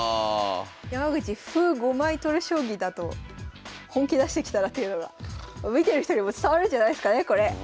山口歩５枚取る将棋だと本気出してきたなっていうのが見てる人にも伝わるんじゃないすかねこれ。